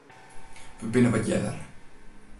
Wy binne wat earder.